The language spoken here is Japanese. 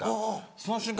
その瞬間